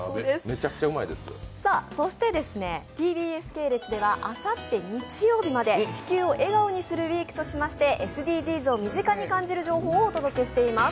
ＴＢＳ系列ではあさって日曜日まで「地球を笑顔にするＷＥＥＫ」ということでＳＤＧｓを身近に感じる企画をお届けしています。